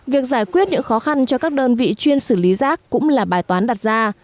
việc giải quyết những khó khăn cho các đơn vị chuyên xử lý rác cũng là bài toán đặt ra